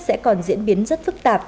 sẽ còn diễn biến rất phức tạp